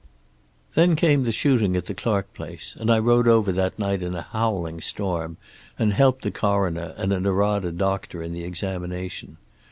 "Then came the shooting at the Clark place, and I rode over that night in a howling storm and helped the coroner and a Norada doctor in the examination.